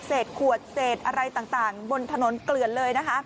เศษขวดเศษอะไรต่างบนถนนเกลื่อนเลย